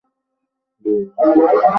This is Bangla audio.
বোহ, আমার কথায় ভরসা রাখ।